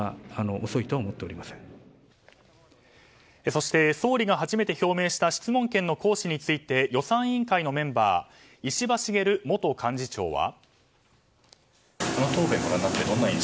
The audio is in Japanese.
そして総理が初めて表明した質問権の行使について予算委員会のメンバー石破茂元幹事長は。